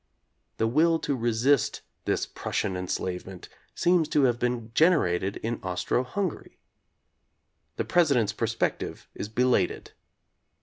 The will to resist this Prus sian enslavement seems to have been generated in Austro Hungary. The President's perspective is belated.